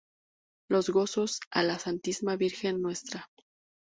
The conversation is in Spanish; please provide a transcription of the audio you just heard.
Los gozos a la Santísima Virgen, Ntra.